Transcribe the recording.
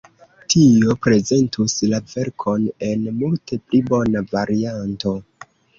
Tio prezentus la verkon en multe pli bona varianto.